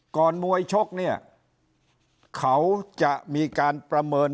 มวยชกเนี่ยเขาจะมีการประเมิน